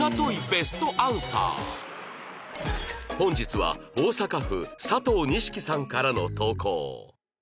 本日は大阪府佐藤錦さんからの投稿